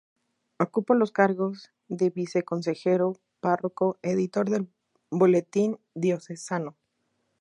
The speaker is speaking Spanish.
Ocupó los cargos de viceconsejero, párroco, editor del boletín diocesano.